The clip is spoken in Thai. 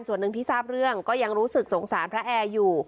ส่วนหนึ่งที่ทราบเรื่องก็ยังรู้สึกสงสารพระแอร์อยู่